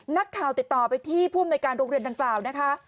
นักข่าวติดต่อไปที่ผู้อำนวยการโรงเรียนดังกล่าวนะคะ